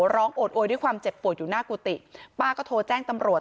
โอดโอยด้วยความเจ็บปวดอยู่หน้ากุฏิป้าก็โทรแจ้งตำรวจ